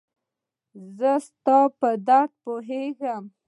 زه ستا په درد پوهيږم